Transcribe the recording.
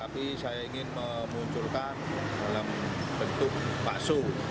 tapi saya ingin memunculkan dalam bentuk bakso